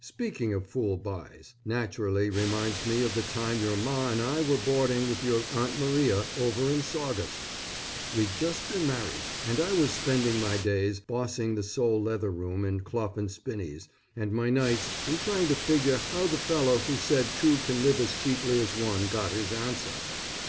Speaking of fool buys, naturally reminds me of the time your Ma and I were boarding with your Aunt Maria over in Saugus. We'd just been married, and I was spending my days bossing the sole leather room in Clough & Spinney's, and my nights in trying to figure how the fellow who said two can live as cheaply as one got his answer.